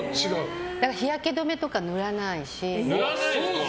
日焼け止めとか塗らないし。